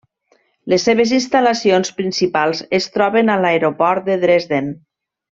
Les seves instal·lacions principals es troben a l'Aeroport de Dresden.